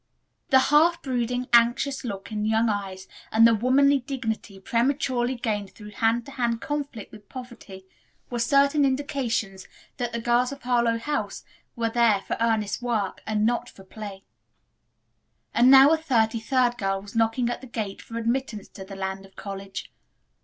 The half brooding, anxious look in young eyes and the womanly dignity, prematurely gained through hand to hand conflict with poverty, were certain indications that the girls of Harlowe House were there for earnest work and not for play. And now a thirty third girl was knocking at the gate for admittance to the Land of College.